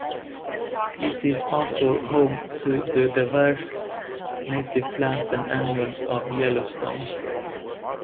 It is also home to the diverse native plants and animals of Yellowstone.